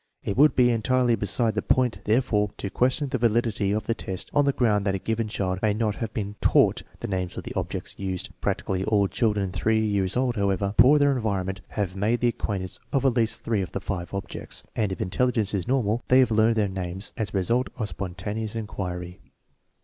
It would be entirely beside the point, therefore, to question the validity of the test on the ground that a given child may not have been taught the names of the objects used. Practically all children 3 years old, however poor their environment, have made the acquaintance of at least three of the five objects, and if intelligence is normal they have learned their names as a result of spontaneous inquiry.